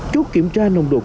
chúc kiểm tra nồng độ cồn